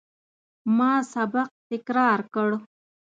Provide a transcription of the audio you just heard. ما سبق تکرار کړ.